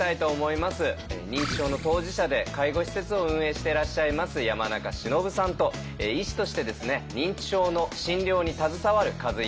認知症の当事者で介護施設を運営してらっしゃいます山中しのぶさんと医師として認知症の診療に携わる數井裕光さんです。